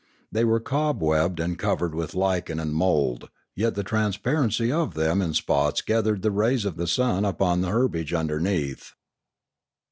They were cobwebbed and covered with lichen and mould, yet the transparency of them in spots gathered the rays of the sun upon the herbage underneath.